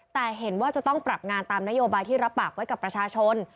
แต่เห็นว่าจะต้องปรับงานตามนโยบายที่รับปากไว้กับประชาชน